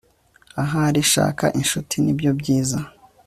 ahari shaka inshuti nibyo byiza